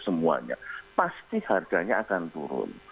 semuanya pasti harganya akan turun